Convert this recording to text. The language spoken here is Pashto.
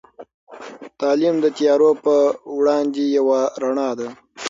تعلیم د تيارو په وړاندې یوه رڼا ده.